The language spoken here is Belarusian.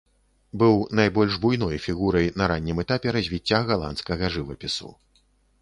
Быў найбольш буйной фігурай на раннім этапе развіцця галандскага жывапісу.